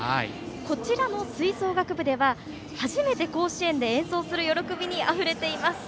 こちらの吹奏楽部では初めて甲子園で演奏する喜びにあふれています。